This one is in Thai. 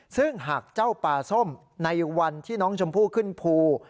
ซึ่งหากเจ้าปลาส้มในวันที่น้องชมพู่ขึ้นภู